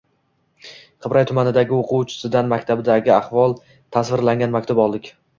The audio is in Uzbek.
Qibray tumanidagi o‘quvchisidan maktabidagi ahvol tasvirlangan maktub oldik.